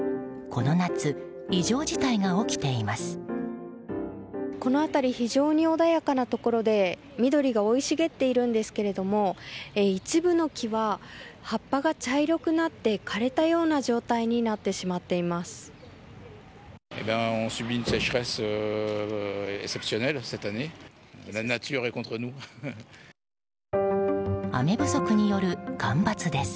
この辺り非常に穏やかなところで緑が生い茂っているんですが一部の木は、葉っぱが茶色くなり枯れたような状態になってしまっています。